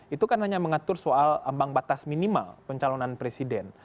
itu kan hanya mengatur soal ambang batas minimal pencalonan presiden